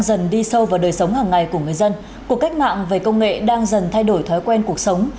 dần đi sâu vào đời sống hàng ngày của người dân cuộc cách mạng về công nghệ đang dần thay đổi thói quen cuộc sống